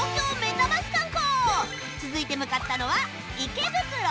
続いて向かったのは池袋